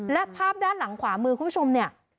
และภาพด้านหลังขวามือคุณผู้ชมเนี่ย